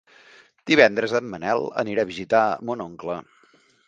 Divendres en Manel anirà a visitar mon oncle.